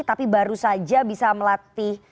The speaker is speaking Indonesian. tapi baru saja bisa melatih